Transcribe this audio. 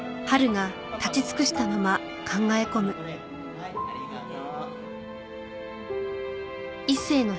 はいありがとう。